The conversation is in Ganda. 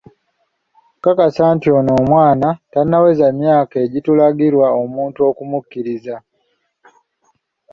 Nkakasa nti ono omwana tannaweza myaka egitulagirwa omuntu okumukkiriza.